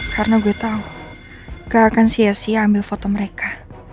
karena gue tahu gak akan sia sia ambil foto mereka